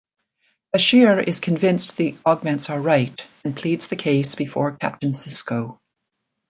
Bashir is convinced the augments are right, and pleads the case before Captain Sisko.